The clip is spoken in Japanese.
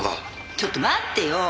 ちょっと待ってよ！